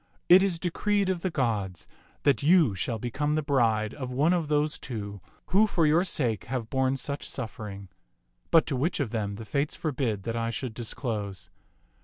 It is decreed of the gods that you shall become the bride of one of those two who for your sake have borne such suffering ; but to which of them the Fates forbid that I should disclose.